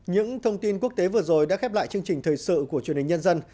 những thông tin quốc tế vừa rồi đã khép lại chương trình thời sự của truyền hình nhân dân